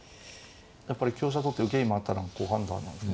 やっぱり香車取って受けに回ったのは好判断なんですね。